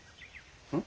うん？